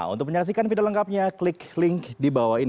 untuk menyaksikan video lengkapnya klik link di bawah ini